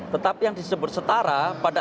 tetapi yang disebut setara